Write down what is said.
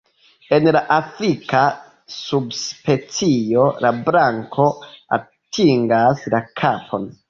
En la afrika subspecio la blanko atingas la kapon.